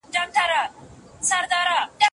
لیکل د منطقي فکر په جوړولو کې.